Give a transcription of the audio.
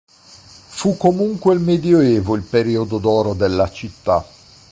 Fu comunque il Medioevo il periodo d'oro della città.